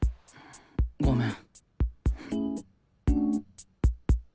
ごめん。